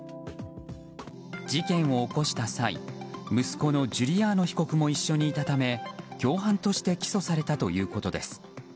事件を起こした際、息子のジュリアーノ被告も一緒にいたため、共犯として起訴されたということです。